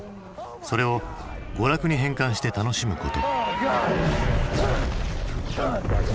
それを娯楽に変換して楽しむこと。